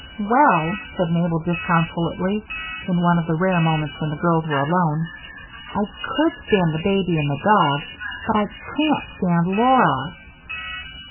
"Well," said Mabel, disconsolately, in one of the rare moments when the girls were alone, "I could stand the baby and the dog. But I can't stand Laura!"